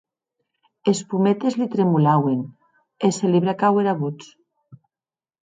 Es pometes li tremolauen, e se li bracaue era votz.